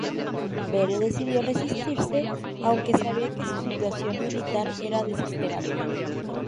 Vere decidió resistir, aunque sabía que su situación militar era desesperada.